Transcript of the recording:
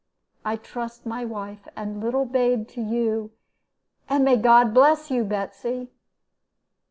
I trust my wife and little babe to you, and may God bless you, Betsy!'